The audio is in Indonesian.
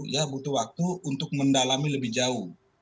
ya butuh waktu untuk mendalami lebih jauh